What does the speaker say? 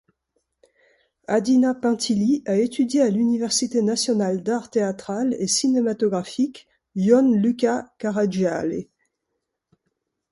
Adina Pintilie a étudié à l'Université nationale d'art théâtral et cinématographique Ion Luca Caragiale.